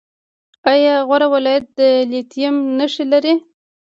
آیا غور ولایت د لیتیم نښې لري؟